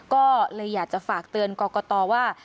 ก็เลยอยากจะฝากเตือนกรกตว่า